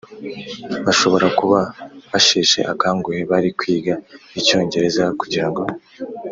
Bashobora kuba basheshe akanguhe bari kwiga icyongereza kugirango